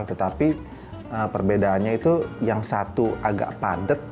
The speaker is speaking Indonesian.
tetapi perbedaannya itu yang satu agak padat